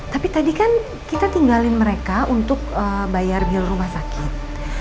tapi tadi kan kita tinggalin mereka untuk bayar bill rumah sakit